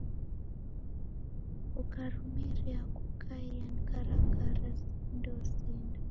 Ukarumira kukaia ni karakara, sikunde osinda.